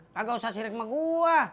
gak usah sirik sama gue